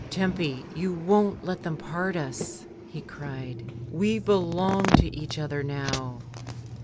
"Tempy, you won't let them part us?" he cried; "we belong to each other now."